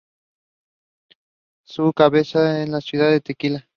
Su cabecera es la ciudad de Tequila.